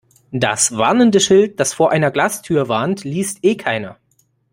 Das warnende Schild, das vor einer Glastür warnt, liest eh keiner.